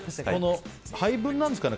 配分なんですかね